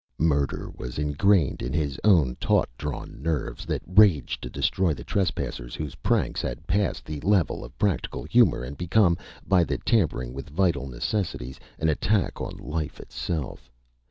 Murder was engrained in his own taut drawn nerves, that raged to destroy the trespassers whose pranks had passed the level of practical humor, and become, by the tampering with vital necessities, an attack on life itself.